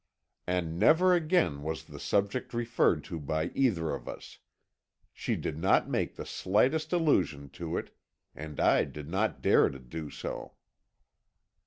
"And never again was the subject referred to by either of us. She did not make the slightest allusion to it, and I did not dare to do so."